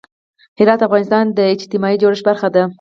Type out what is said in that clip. هرات د افغانستان د اجتماعي جوړښت برخه ده.